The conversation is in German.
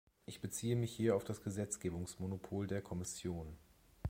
Ich beziehe mich hier auf das Gesetzgebungsmonopol der Kommission.